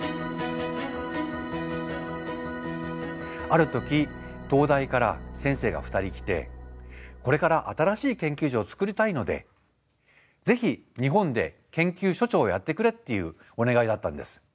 ある時東大から先生が２人来てこれから新しい研究所を作りたいのでぜひ日本で研究所長をやってくれっていうお願いがあったんです。